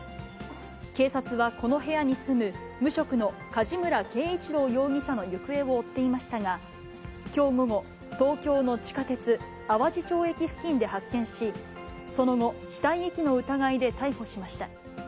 警察はこの部屋に住む無職の梶村けいいちろう容疑者の行方を追っていましたが、きょう午後、東京の地下鉄淡路町駅付近で発見し、その後、死体遺棄の疑いで逮捕しました。